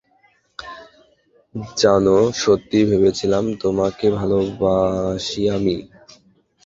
জানো, সত্যিই ভেবেছিলাম তোমাকে ভালোবাসি আমি!